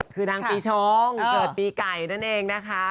คือนางปีชงเกิดปีไก่นั่นเองนะคะ